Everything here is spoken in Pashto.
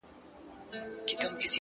خو دوى يې د مريد غمى د پير پر مخ گنډلی _